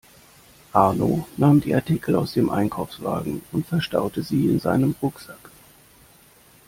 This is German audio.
Arno nahm die Artikel aus dem Einkaufswagen und verstaute sie in seinem Rucksack.